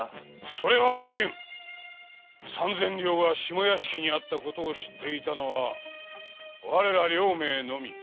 それは有り得ん三千両が下屋敷にあったことを知っていたのは我ら両名のみ。